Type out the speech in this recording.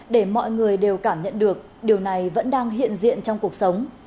để mọi người đều cảm nhận được điều này vẫn đang hiện diện trong cuộc sống